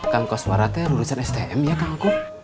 kang kosoarateru lulusan stm ya kang akung